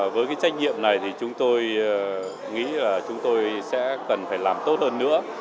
với trách nhiệm này chúng tôi nghĩ là chúng tôi sẽ cần phải làm tốt hơn nữa